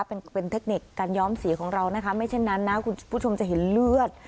เป็นเป็นเทคนิคการย้อมสีของเรานะคะไม่เช่นนั้นนะคุณผู้ชมจะเห็นเลือด